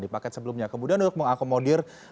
di paket sebelumnya kemudian untuk mengakomodir